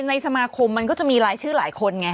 อะไรส่วนของมันจะมีรายชื่อหลายคนอะ